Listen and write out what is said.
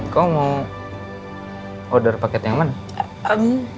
kamu mau order paket yang mana